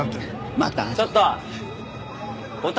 また。